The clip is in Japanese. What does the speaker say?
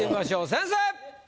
先生！